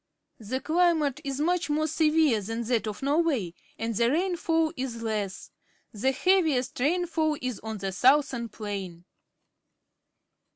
The climate is much more severe than that of Norway, and the rainfall is less. The heaviest rainfall is on the southern plain.